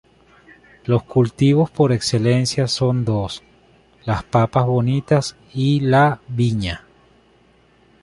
Los cultivos por excelencia son dos; las papas bonitas y la viña.